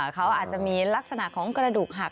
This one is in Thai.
เขาอาจจะมีลักษณะของกระดูกหัก